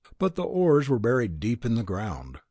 but the ores were buried deep in the ground.